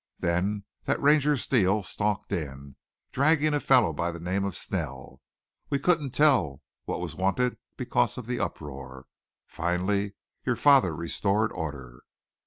Then that Ranger, Steele, stalked in, dragging a fellow by the name of Snell. We couldn't tell what was wanted because of the uproar. Finally your father restored order.